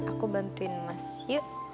aku bantuin mas yuk